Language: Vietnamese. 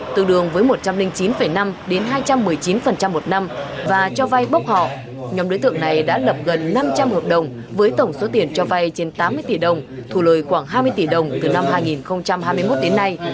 tương đương với một trăm linh chín năm đến hai trăm một mươi chín một năm và cho vay bốc họ nhóm đối tượng này đã lập gần năm trăm linh hợp đồng với tổng số tiền cho vay trên tám mươi tỷ đồng thủ lời khoảng hai mươi tỷ đồng từ năm hai nghìn hai mươi một đến nay